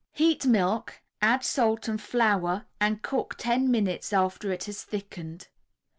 Heat milk, add salt and flour and cook ten minutes after it has thickened.